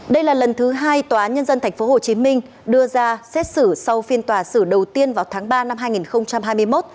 đây là lần thứ hai tòa nhân dân tp hcm đưa ra xét xử sau phiên tòa xử đầu tiên vào tháng ba năm hai nghìn hai mươi một